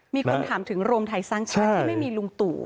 มีคนถามถึงรวมไทยสร้างชาติที่ไม่มีลุงตู่